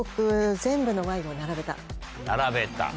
並べた。